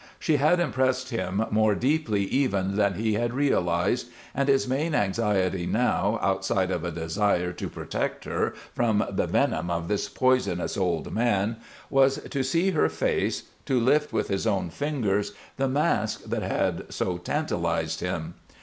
She had impressed him more deeply even than he had realized, and his main anxiety now, outside of a desire to protect her from the venom of this poisonous old man, was to see her face, to lift with his own fingers the mask that had so tantalized him.